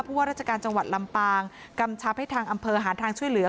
ว่าราชการจังหวัดลำปางกำชับให้ทางอำเภอหาทางช่วยเหลือ